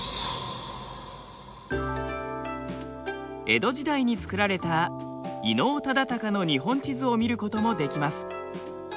江戸時代に作られた伊能忠敬の日本地図を見ることもできます。